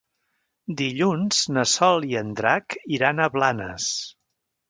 Dilluns na Sol i en Drac iran a Blanes.